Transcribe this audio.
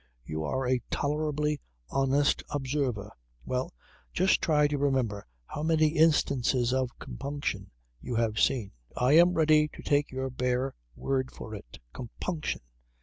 You are a tolerably honest observer. Well, just try to remember how many instances of compunction you have seen. I am ready to take your bare word for it. Compunction!